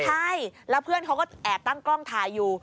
ใช่แล้วเพื่อนเขาก็แอบตั้งกล้องถ่ายอยู่